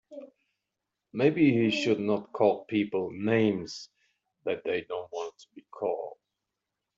Maybe he should not call people names that they don't want to be called.